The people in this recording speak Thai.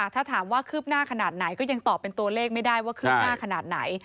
ถ้าถามว่าคืบหน้าขนาดไหนก็ยังตอบเป็นตัวเลขไม่ได้ว่าคืบหน้าขนาดไหน